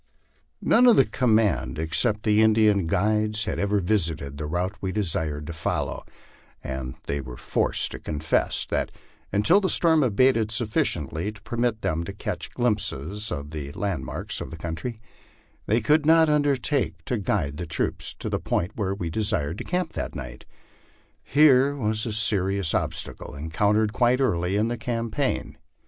None of the command except the Indian guides had ever visited the route we desired to follow, and they were forced to confess that until the storm abated sufficient ly to permit them to catch glimpses of the landmarks of the countiy, they could not undertake to guide the troops to the point where we desired to camp that night. Here was a serious obstacle encountered quite early in the campaign.